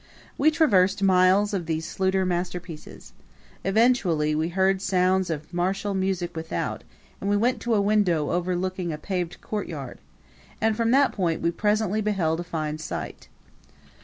We traversed miles of these Schluter masterpieces. Eventually we heard sounds of martial music without, and we went to a window overlooking a paved courtyard; and from that point we presently beheld a fine sight.